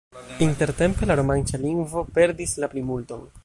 Intertempe la romanĉa lingvo perdis la plimulton.